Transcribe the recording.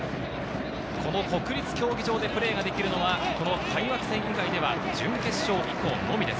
この国立競技場でプレーができるのはこの開幕戦以来では準決勝以降のみです。